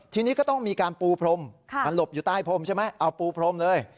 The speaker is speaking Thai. ทีนี้ก็ต้องมีการปูพรมมันหลบอยู่ใต้พรมใช่ไหมเอาปูพรมเลย